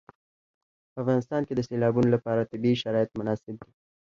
په افغانستان کې د سیلابونو لپاره طبیعي شرایط مناسب دي.